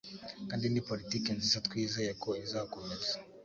kandi ni politike nziza twizeye ko izakomeza